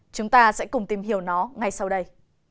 chúng ta sẽ cùng tìm hiểu nó ngay sau đây